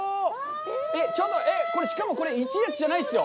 えっ、しかも、これ、１列じゃないですよ！